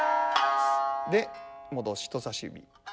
で戻して人さし指。